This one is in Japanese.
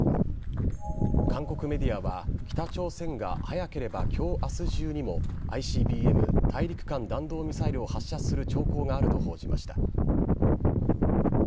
韓国メディアは、北朝鮮が早ければきょうあすじゅうにも、ＩＣＢＭ・大陸間弾道ミサイルを発射する兆候があると報じました。